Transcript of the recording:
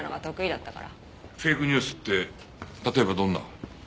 フェイクニュースって例えばどんな？